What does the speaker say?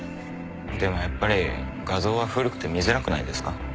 でもやっぱり画像は古くて見づらくないですか？